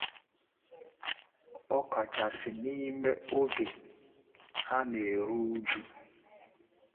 ọkachasị n'ime oge ha na-eru uju